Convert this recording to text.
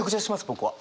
僕は。